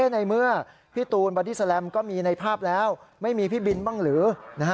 ในเมื่อพี่ตูนบอดี้แลมก็มีในภาพแล้วไม่มีพี่บินบ้างหรือ